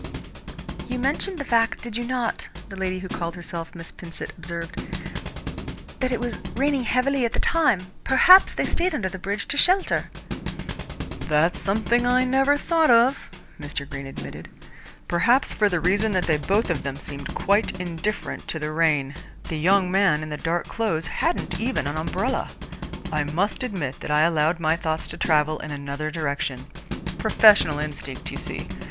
"You mentioned the fact, did you not," the lady who called herself Miss Pinsent observed, "that it was raining heavily at the time? Perhaps they stayed under the bridge to shelter." "That's something I never thought of," Mr. Greene admitted, "perhaps for the reason that they both of them seemed quite indifferent to the rain. The young man in the dark clothes hadn't even an umbrella. I must admit that I allowed my thoughts to travel in another direction. Professional instinct, you see.